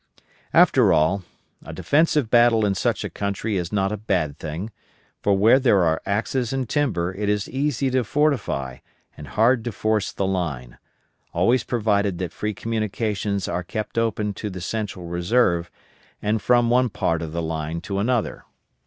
After all, a defensive battle in such a country is not a bad thing, for where there are axes and timber it is easy to fortify and hard to force the line; always provided that free communications are kept open to the central reserve and from one part of the line to another.